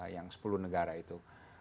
yang sepuluh negara itu